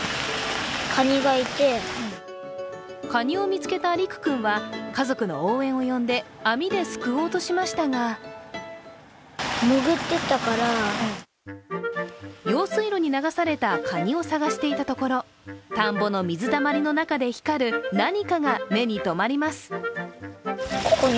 かにを見つけた陸君は家族の応援を呼んで網ですくおうとしましたが用水路に流されたかにを探していたところ田んぼの水たまりの中で光る何かが目にとまります。